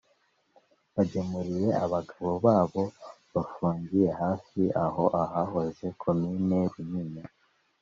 bagemuriye abagabo babo bafungiye hafi aho ahahoze Komini Runyinya